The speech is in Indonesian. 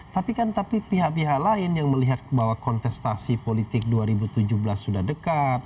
tapi kan tapi pihak pihak lain yang melihat bahwa kontestasi politik dua ribu tujuh belas sudah dekat